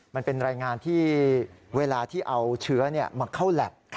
มันเป็นรายงานที่เวลาที่เอาเชื้อมาเข้าแล็บ